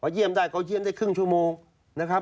เยี่ยมได้ก็เยี่ยมได้ครึ่งชั่วโมงนะครับ